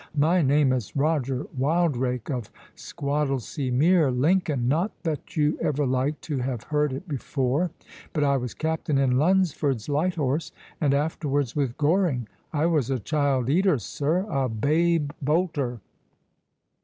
My name is Roger Wildrake of Squattlesea mere, Lincoln; not that you are ever like to have heard it before, but I was captain in Lunsford's light horse, and afterwards with Goring. I was a child eater, sir—a babe bolter."